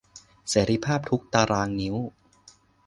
เสรีภาพทุกตารางนิ้ว